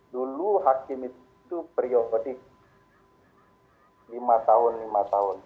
dulu hakim itu priokotik lima tahun lima tahun